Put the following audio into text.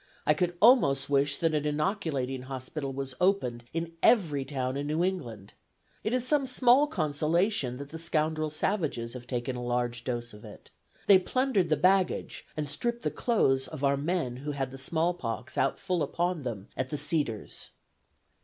I could almost wish that an inoculating hospital was opened in every town in New England. It is some small consolation that the scoundrel savages have taken a large dose of it. They plundered the baggage and stripped off the clothes of our men who had the small pox out full upon them at the Cedars."